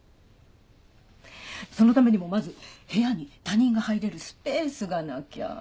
そのためにもまず部屋に他人が入れるスペースがなきゃ。